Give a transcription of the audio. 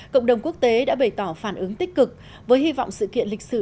cộng đồng quốc tế đã bày tỏ phản ứng tích cực với hy vọng sự kiện lịch sử